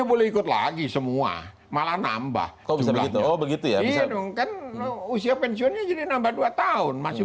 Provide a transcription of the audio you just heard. tahun ya boleh ikut lagi semua malah nambah begitu ya usia pensiunnya jadi nambah dua tahun masih